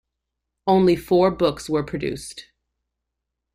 Only four books were produced.